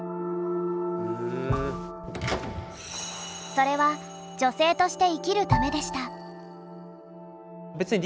それは女性として生きるためでした。